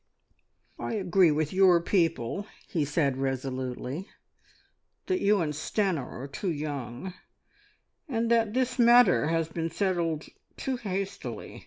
"I agree with your people," he said resolutely, "that you and Stanor are too young, and that this matter has been settled too hastily.